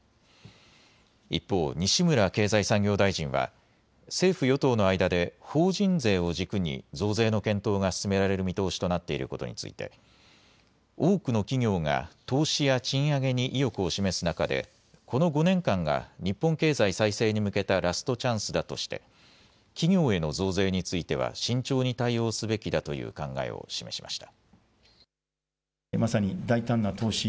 一方、西村経済産業大臣は政府与党の間で法人税を軸に増税の検討が進められる見通しとなっていることについて多くの企業が投資や賃上げに意欲を示す中でこの５年間が日本経済再生に向けたラストチャンスだとして企業への増税については慎重に対応すべきだという考えを示しました。